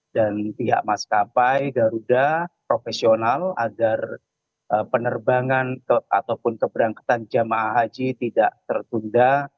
dan pihak mas kapai garuda profesional agar penerbangan ataupun keberangkatan jemaah haji tidak tertunda